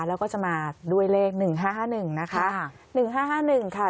แล้วก็จะมาด้วยเลข๑๕๕๑นะคะ๑๕๕๑ค่ะ